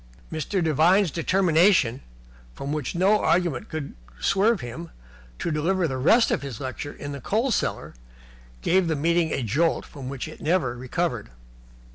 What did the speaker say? Mr. Devine's determination, from which no argument could swerve him, to deliver the rest of his lecture in the coal cellar gave the meeting a jolt from which it never recovered.